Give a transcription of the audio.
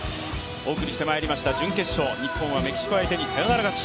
お送りしてまいりました準決勝、日本はメキシコ相手にサヨナラ勝ち。